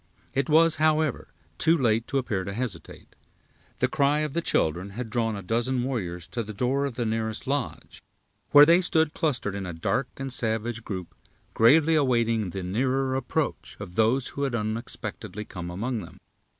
It was, however, too late to appear to hesitate. The cry of the children had drawn a dozen warriors to the door of the nearest lodge, where they stood clustered in a dark and savage group, gravely awaiting the nearer approach of those who had unexpectedly come among them.